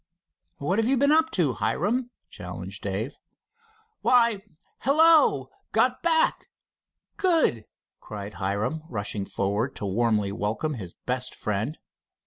"What have you been up to, Hiram?" challenged Dave. "Why, hello! Got back? Good!" cried Hiram, rushing forward to warmly welcome his best friend.